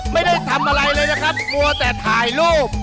ไม่ได้ทำอะไรเลยนะครับมัวแต่ถ่ายรูป